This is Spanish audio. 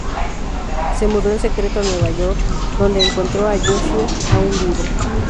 Se mudó en secreto a Nueva York, donde encontró a Yoshi aún vivo.